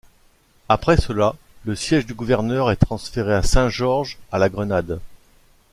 Après cela, le siège du gouverneur est transféré à Saint-Georges à la Grenade.